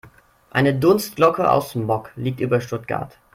Eine Dunstglocke aus Smog liegt über Stuttgart.